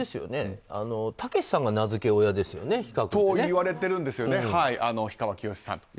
たけしさんが名付け親ですよね。といわれているんですよね。